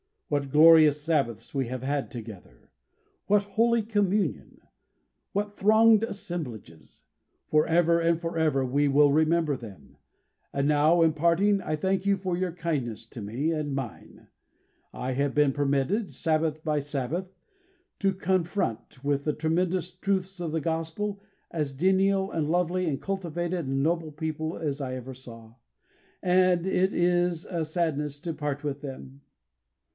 What glorious Sabbaths we have had together! What holy communions! What thronged assemblages! Forever and forever we will remember them.... And now in parting I thank you for your kindness to me and mine. I have been permitted, Sabbath by Sabbath, to confront, with the tremendous truths of the Gospel, as genial and lovely, and cultivated and noble people as I ever knew, and it is a sadness to part with them....